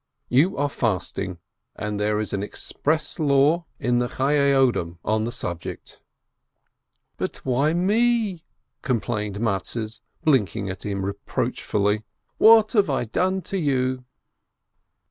You are fasting, and there is an express law in the Chayye Odom on the subject." "But why me?" complained Mattes, blinking at him reproachfully. "What have I done to you?"